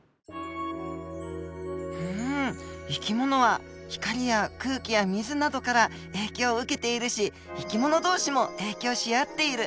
うん生き物は光や空気や水などから影響を受けているし生き物同士も影響し合っている。